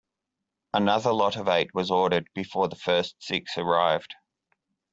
Another lot of eight was ordered before the first six arrived.